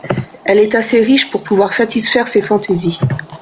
Elle est assez riche pour pouvoir satisfaire ses fantaisies.